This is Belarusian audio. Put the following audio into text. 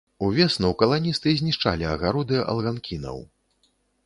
Увесну каланісты знішчалі агароды алганкінаў.